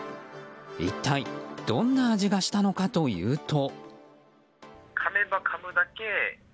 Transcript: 一体どんな味がしたのかというと。